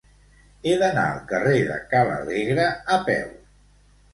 He d'anar al carrer de Ca l'Alegre a peu.